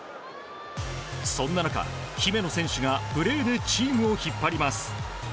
そんな中、姫野選手がプレーでチームを引っ張ります。